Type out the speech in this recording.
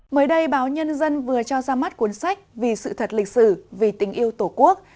mới đây báo nhân dân vừa cho ra mắt cuốn sách vì sự thật lịch sử vì tình yêu tổ quốc